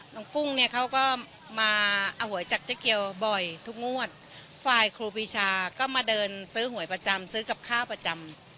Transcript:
กุ้งเนี่ยเขาก็มาเอาหวยจากเจ๊เกียวบ่อยทุกงวดฝ่ายครูปีชาก็มาเดินซื้อหวยประจำซื้อกับข้าวประจำ